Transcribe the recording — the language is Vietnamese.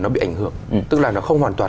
nó bị ảnh hưởng tức là nó không hoàn toàn